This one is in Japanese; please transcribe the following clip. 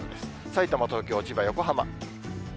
さいたま、東京、千葉、横浜。